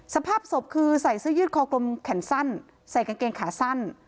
สภาพศพคือใส่เสื้อยืดคอกลมแขนสั้นใส่กางเกงขาสั้น